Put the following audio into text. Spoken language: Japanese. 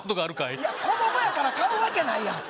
いや子供やから買うわけないやん